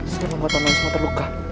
saya membuat teman semua terluka